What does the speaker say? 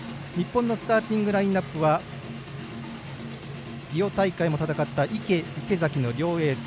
スターティングラインアップはリオ大会も戦った池、池崎の両エース。